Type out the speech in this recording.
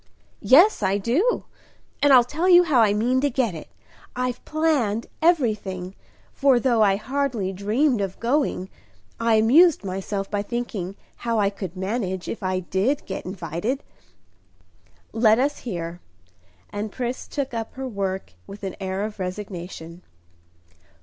"Yes, I do, and I'll tell you how I mean to get it. I've planned everything; for, though I hardly dreamed of going, I amused myself by thinking how I could manage if I did get invited." "Let us hear." And Pris took up her work with an air of resignation.